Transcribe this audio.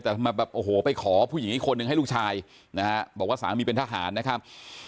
แต่มาไปขอผู้หญิงคนหนึ่งให้ลูกชายนะบอกว่าสามีเป็นทหารนะครับ